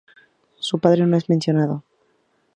Su padre no es mencionado.